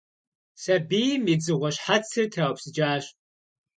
Сабийм и «дзыгъуэ» щхьэцыр траупсыкӀащ.